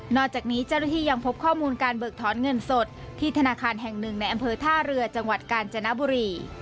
จากนี้เจ้าหน้าที่ยังพบข้อมูลการเบิกถอนเงินสดที่ธนาคารแห่งหนึ่งในอำเภอท่าเรือจังหวัดกาญจนบุรี